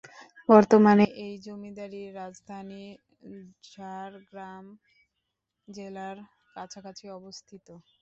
বর্তমানে এই জমিদারির রাজধানী ঝাড়গ্রাম জেলার কাছাকাছি অবস্থিত।